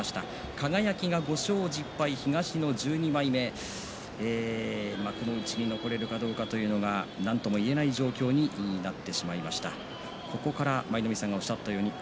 輝は５勝１０敗、東の１２枚目幕内に残れるかどうかなんとも言えない状況になってきました。